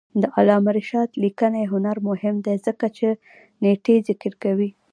د علامه رشاد لیکنی هنر مهم دی ځکه چې نېټې ذکر کوي.